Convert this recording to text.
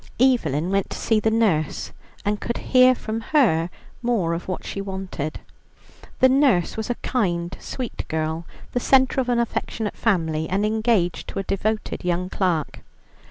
Evelyn went to see the nurse, and could hear from her more of what she wanted. The nurse was a kind, sweet girl, the centre of an affectionate family, and engaged to a devoted young clerk.